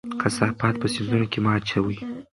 کثافات په سیندونو کې مه اچوئ.